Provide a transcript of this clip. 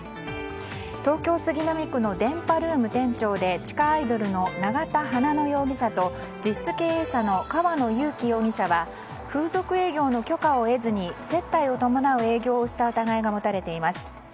東京・杉並区のＤＥＮＰＡＲＯＯＭ店長で地下アイドルの永田花乃容疑者と実質経営者の河野祐樹容疑者は風俗営業の許可を得ずに接待を伴う営業をしていた疑いが持たれています。